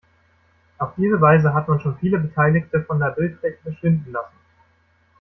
Auf diese Weise hat man schon viele Beteiligte von der Bildfläche verschwinden lassen.